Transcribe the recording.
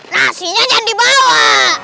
nasinya jangan dibawa